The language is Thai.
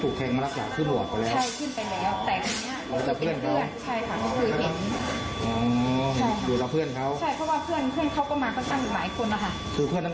เขาแทรกอยู่เพื่อนเขา